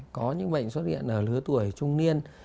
có những bệnh xóa điện ở lứa tuổi trung niên